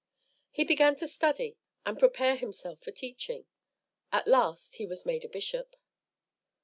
He began to study and prepare himself for teaching. At last he was made a bishop.